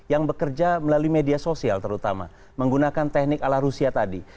yang bekerja melalui media sosial terutama menggunakan teknik ala rusia tadi